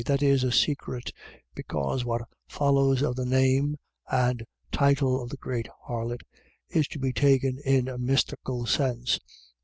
. .That is, a secret; because what follows of the name and title of the great harlot is to be taken in a mystical sense.